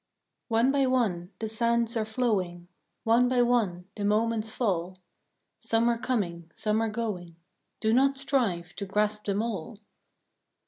/^\NE by one the sands are flowing, ^ One by one the moments fall; Some are coming, some are going; Do not strive to grasp them all.